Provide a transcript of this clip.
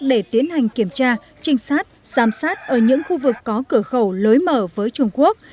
để tiến hành kiểm tra trinh sát giám sát ở những khu vực có cửa khẩu lối mở với trung quốc